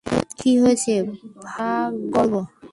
কী হয়েছে ভার্গব।